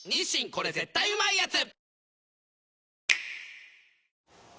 これ絶対うまいやつ」